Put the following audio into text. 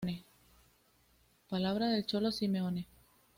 Palabra del Cholo Simeone.